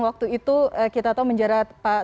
waktu itu kita tahu menjerat pak